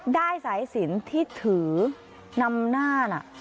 ได้สายสินที่ถือนำหน้าน่ะ